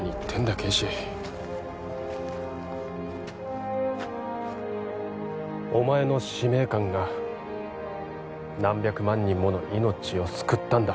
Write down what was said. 啓示お前の使命感が何百万人もの命を救ったんだ